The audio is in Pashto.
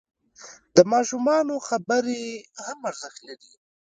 د ماشومانو خبرې هم ارزښت لري.